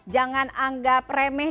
jangan anggap remeh